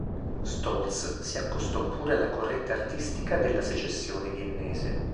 Stolz si accostò pure alla corrente artistica della Secessione viennese.